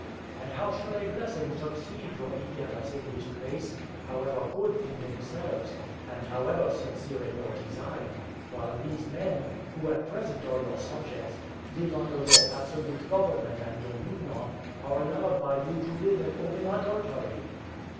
And how shall a blessing succeed your endeavours in this place, however good in themselves, and however sincere in your design, while these men, who at present are your subjects, under your absolute government and dominion, are allowed by you to live in open adultery?"